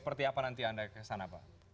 seperti apa nanti anda kesan apa